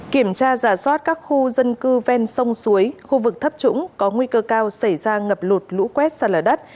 kiểm tra giả soát các khu dân cư ven sông suối khu vực thấp trũng có nguy cơ cao xảy ra ngập lụt lũ quét sạt lở đất